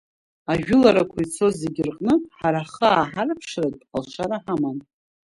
Ажәыларақәа ицоз зегьы рҟны ҳара ҳхы ааҳарԥшратә алшара ҳаман.